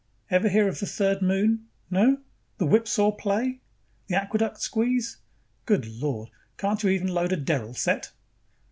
Ever hear of the Third Moon? No? The whipsaw play? The aqueduct squeeze? Good Lord, can't you even load a derrel set?"